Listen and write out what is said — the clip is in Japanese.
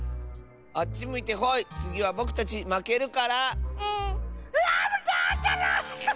あっちむいてホイつぎはぼくたちまけるから。